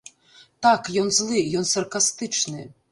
Так, ён злы, ён саркастычны.